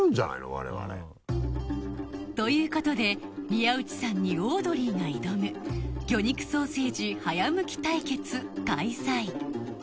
我々。ということで宮内さんにオードリーが挑む魚肉ソーセージ早剥き対決開催